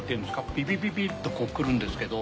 ビビビビっとこうくるんですけど。